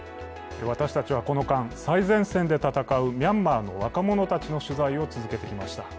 私たちはこの間、最前線で戦うミャンマーの若者たちの取材を続けてきました。